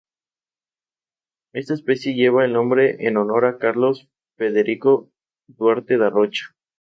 Esta especie lleva el nombre en honor a Carlos Frederico Duarte da Rocha.